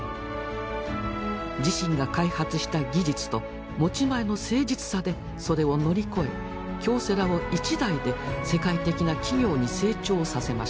自身が開発した技術と持ち前の誠実さでそれを乗り越え京セラを一代で世界的な企業に成長させました。